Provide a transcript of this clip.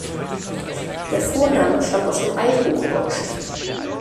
Der Vorname stammt aus dem Althochdeutschen.